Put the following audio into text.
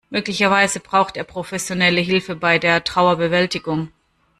Möglicherweise braucht er professionelle Hilfe bei der Trauerbewältigung.